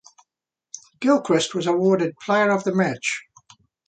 Gilchrist was awarded player of the match.